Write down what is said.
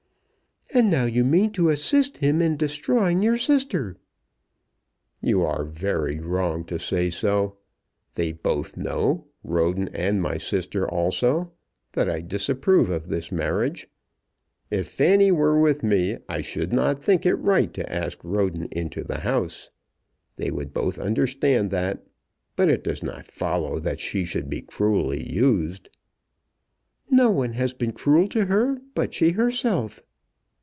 "And now you mean to assist him in destroying your sister." "You are very wrong to say so. They both know, Roden and my sister also, that I disapprove of this marriage. If Fanny were with me I should not think it right to ask Roden into the house. They would both understand that. But it does not follow that she should be cruelly used." "No one has been cruel to her but she herself."